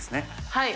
はい。